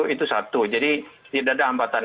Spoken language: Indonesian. itu satu jadi tidak ada hambatan